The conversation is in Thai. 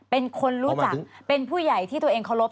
เป็นคนรู้จักเป็นผู้ใหญ่ที่ตัวเองเคารพ